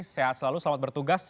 sehat selalu selamat bertugas